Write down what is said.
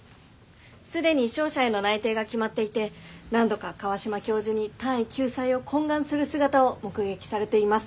既に商社への内定が決まっていて何度か川島教授に単位救済を懇願する姿を目撃されています。